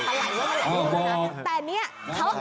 ไหล่ลื่นเหลือเกิน